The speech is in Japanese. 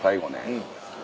うん。